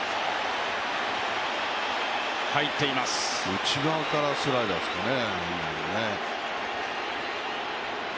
内側からスライダーですかね。